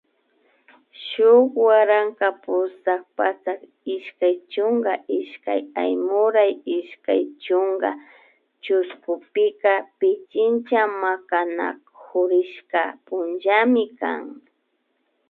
Shuk waranka pusak patsak ishkay chunka ishkay Aymuray ishkay chunka chushkupika Pichincha Makanakurishka punllami kan